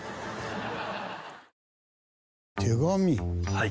はい。